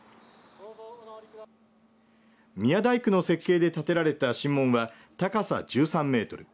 宮大工の設計で建てられた神門は高さ１３メートル。